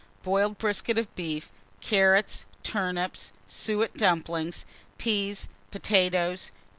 Boiled brisket of beef, carrots, turnips, suet dumplings, peas, potatoes.